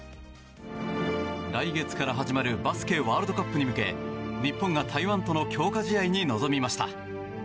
来月から始まるバスケワールドカップに向け日本が台湾との強化試合に臨みました。